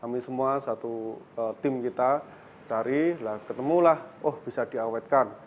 kami semua satu tim kita cari ketemulah oh bisa diawetkan